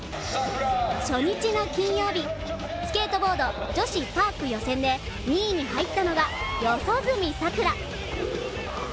初日の金曜日、スケートボード女子パーク予選で２位に入ったのが四十住さくら。